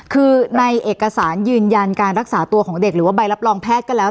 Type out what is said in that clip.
คือในเอกสารยืนยันการรักษาตัวของเด็กหรือว่าใบรับรองแพทย์ก็แล้ว